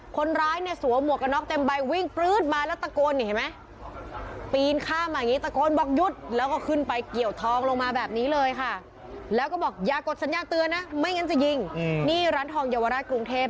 คนร้ายเนี่ยสัวหมวกกระนอกเต็มใบวิ่งปลื๊ดมาแล้วตะโกนเห็นไหม